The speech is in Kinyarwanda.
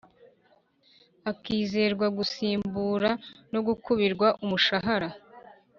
akizezwa gusimbura no gukubirwa umushahara!